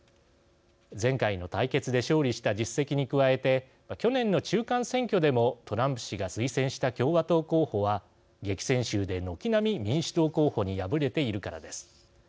前回の対決で勝利した実績に加えて去年の中間選挙でもトランプ氏が推薦した共和党候補は、激戦州で軒並み民主党候補に敗れているからです。